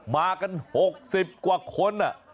มากันหกสิบกว่าคนอ่ะ